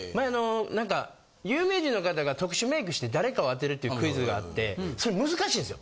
有名人の方が特殊メイクして誰かを当てるっていうクイズがあってそれ難しいんですよ。